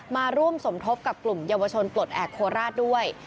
มาร่วมสมทบกับกลุ่มเยาวชนปลดแอบโคราชด้วย